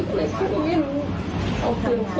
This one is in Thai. ก็รู้พี่ก่อนนี้เราต้องออกมา